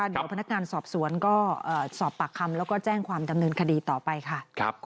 หัวพนักการสอบสวนตอบภาคแล้วก็แจ้งความจำเนินคดีต่อไปค่ะ